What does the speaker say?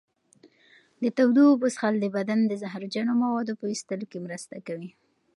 د تودو اوبو څښل د بدن د زهرجنو موادو په ویستلو کې مرسته کوي.